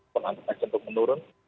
penampilan cenderung menurun